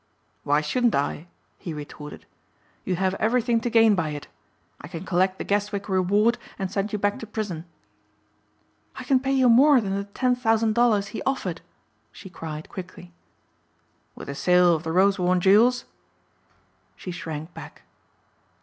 "Why shouldn't I?" he retorted, "you have everything to gain by it. I can collect the Guestwick reward, and send you back to prison." "I can pay you more than the ten thousand dollars he offered," she cried quickly. "With the sale of the Rosewarne jewels?" She shrank back.